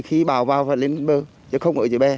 khi bào vào và lên bờ